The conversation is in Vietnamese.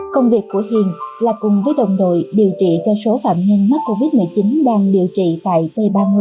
công việc của hiền là cùng với đồng đội điều trị cho số phạm nhân mắc covid một mươi chín đang điều trị tại t ba mươi